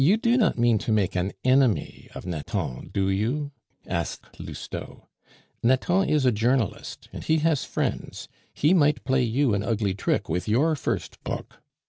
"You do not mean to make an enemy of Nathan, do you?" asked Lousteau. "Nathan is a journalist, and he has friends; he might play you an ugly trick with your first book.